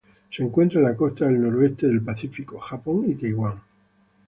Se encuentra en las costas del noroeste del Pacífico: Japón y Taiwán.